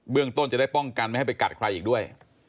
ต้นจะได้ป้องกันไม่ให้ไปกัดใครอีกด้วย